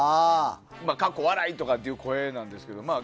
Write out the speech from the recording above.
かっこ笑いとかっていう声なんですけど。